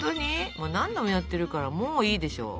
もう何度もやってるからもういいでしょう。